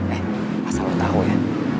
eh asal lo tau ya